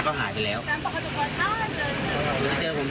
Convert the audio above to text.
ก็ยังไม่ได้ถวายพระหรือยัง